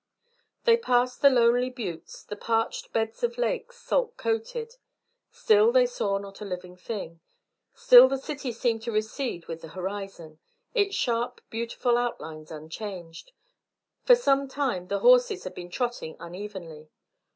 They passed the lonely buttes, the parched beds of lakes, salt coated. Still they saw not a living thing; still the city seemed to recede with the horizon, its sharp beautiful outlines unchanged. For some time the horses had been trotting unevenly.